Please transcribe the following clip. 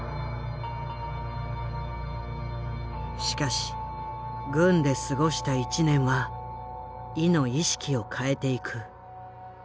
しかし軍で過ごした１年はイの意識を変えていく。